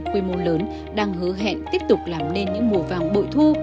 quy mô lớn đang hứa hẹn tiếp tục làm nên những mùa vàng bội thu